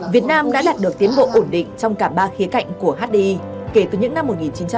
việt nam đã đạt được tiến bộ ổn định trong cả ba khía cạnh của hdi kể từ những năm một nghìn chín trăm bảy mươi